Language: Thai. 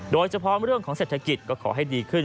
โดยเฉพาะเรื่องของเศรษฐกิจก็ขอให้ดีขึ้น